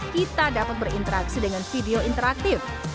kita dapat berinteraksi dengan video interaktif